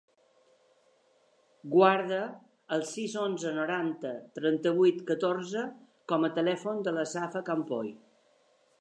Guarda el sis, onze, noranta, trenta-vuit, catorze com a telèfon de la Safa Campoy.